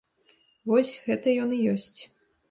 Вось, гэта ён і ёсць.